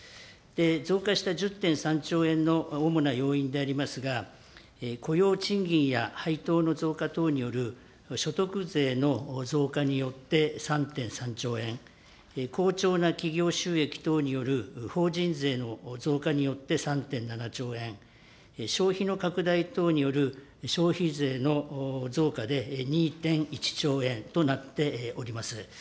増加した１０．３兆円の主な要因でありますが、雇用賃金や配当の増加等による、所得税の増加によって３．３兆円、好調な企業収益等による法人税の増加によって３．７兆円、消費の拡大等による消費税の増加で２．１兆円となっております。